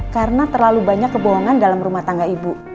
karena terlalu banyak kebohongan dalam rumah tangga ibu